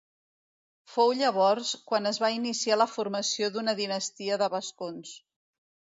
Fou llavors quan es va iniciar la formació d'una dinastia de vascons.